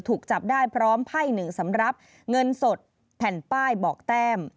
ถูกจับได้พร้อมไพ่หนึ่งสำหรับเงินสดแผ่นป้ายบอกแต้ม